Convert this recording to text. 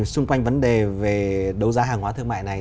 xung quanh vấn đề về đấu giá hàng hóa thương mại này